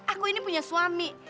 aku ini punya suami